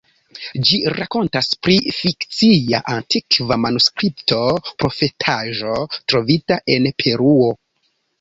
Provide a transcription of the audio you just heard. Ĝi rakontas pri fikcia antikva manuskripto, profetaĵo trovita en Peruo.